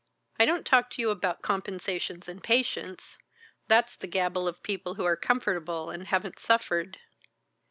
I don't talk to you about compensations and patience. That's the gabble of people who are comfortable and haven't suffered.